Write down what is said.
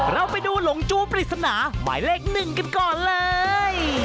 เราไปดูหลงจู้ปริศนาหมายเลขหนึ่งกันก่อนเลย